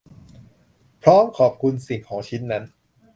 พร้อมขอบคุณสิ่งของชิ้นนั้น